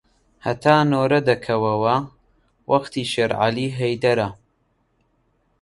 هەتا نۆرە دەکەوەوە وەختی شێرعەلی هەیدەرە